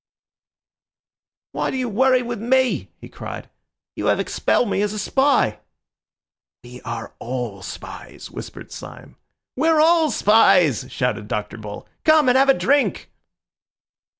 "Why do you worry with me?" he cried. "You have expelled me as a spy." "We are all spies!" whispered Syme. "We're all spies!" shouted Dr. Bull. "Come and have a drink."